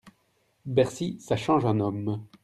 Bercy, ça change un homme